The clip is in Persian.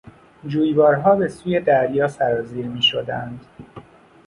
جویبارها به سوی دریا سرازیر میشدند.